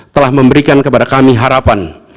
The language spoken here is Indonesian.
telah memberikan kepada kami harapan